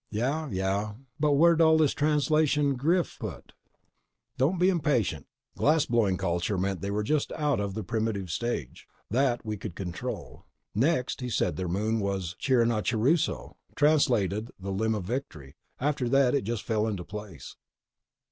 "Yeah, yeah. But where'd all this translation griff put—" "Don't be impatient. Glass blowing culture meant they were just out of the primitive stage. That, we could control. Next, he said their moon was Chiranachuruso, translated as The Limb of Victory. After that it just fell into place."